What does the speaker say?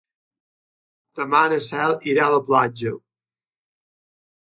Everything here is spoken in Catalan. Demà na Cel irà a la platja.